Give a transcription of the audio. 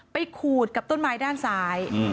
ขูดกับต้นไม้ด้านซ้าย